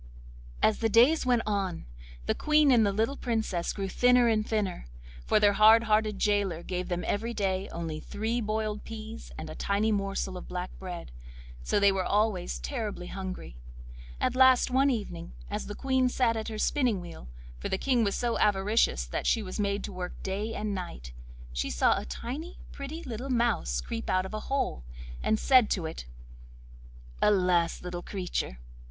As the days went on, the Queen and the little Princess grew thinner and thinner, for their hard hearted gaoler gave them every day only three boiled peas and a tiny morsel of black bread, so they were always terribly hungry. At last, one evening, as the Queen sat at her spinning wheel—for the King was so avaricious that she was made to work day and night—she saw a tiny, pretty little mouse creep out of a hole, and said to it: 'Alas, little creature!